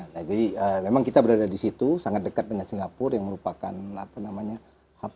nah jadi memang kita berada di situ sangat dekat dengan singapura yang merupakan apa namanya hub